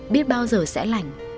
biết bao giờ sẽ lành